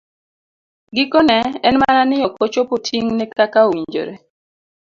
Gikone, en mana ni ok ochopo ting'ne kaka owinjore.